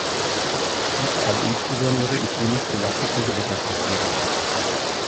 Dies kann insbesondere in chemisch belasteten Gewässern passieren.